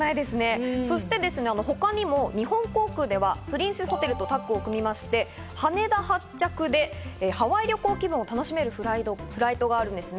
そして他にも日本航空ではプリンスホテルとタッグを組みまして羽田発着でハワイ旅行気分を楽しめるフライトがあるんですね。